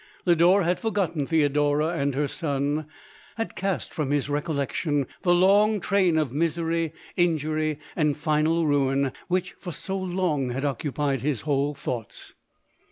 Lodore had forgotten Theodora and her son — had cast from his recollection the long train of misery, injury, and final ruin, which for so Long had occupied his whole thoughts.